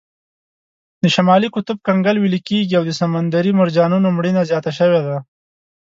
د شمالي قطب کنګل ویلې کیږي او د سمندري مرجانونو مړینه زیاته شوې ده.